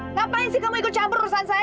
ngapain sih kamu ikut campur urusan saya